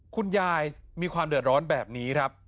คุณยายมีความเดือดร้อนแบบนี้ครับ